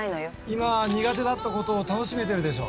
今は苦手だったことを楽しめてるでしょ。